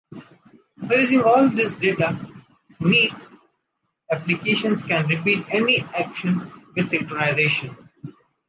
By using all this data, Xnee applications can repeat any action with synchronization.